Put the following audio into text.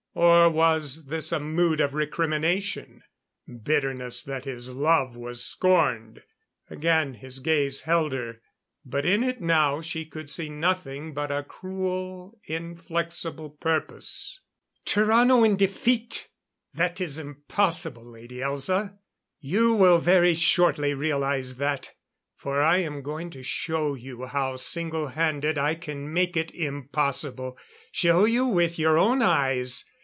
Or was this a mood of recrimination? Bitterness that his love was scorned. Again his gaze held her, but in it now she could see nothing but a cruel inflexible purpose. "Tarrano in defeat! That is impossible, Lady Elza. You will very shortly realize that, for I am going to show you how, single handed, I can make it impossible. Show you with your own eyes.